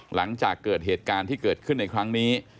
หลังจากเกิดเหตุการณ์ที่เกิดขึ้นในครั้งนี้